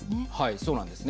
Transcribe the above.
そうなんですね。